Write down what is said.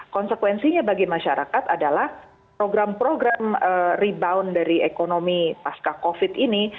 konsekuensinya bagi masyarakat adalah program program rebound dari ekonomi pasca covid ini